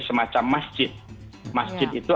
semacam masjid masjid itu